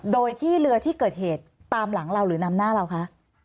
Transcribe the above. โดยที่เรือที่เกิดเหตุตามหลังเราหรือนำหน้าเราคะ